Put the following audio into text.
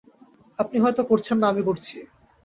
আপনি হয়তো করছেন না, আমি করছি!